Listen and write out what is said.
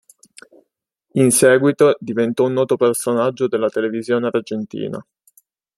In seguito diventò un noto personaggio della televisione argentina.